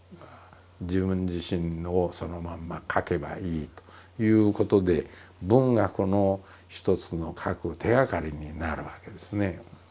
自分自身のそのまんま書けばいいということで文学の一つの書く手がかりになるわけですね。